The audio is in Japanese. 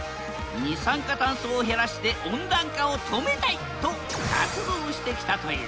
二酸化酸素を減らして温暖化を止めたいと活動してきたという。